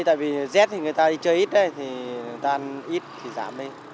tại vì rét thì người ta đi chơi ít người ta ăn ít thì giảm đi